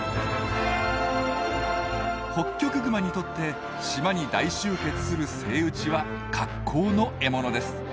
ホッキョクグマにとって島に大集結するセイウチは格好の獲物です。